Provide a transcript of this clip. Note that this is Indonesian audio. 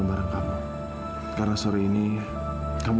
anda sudah agak serius optima padamu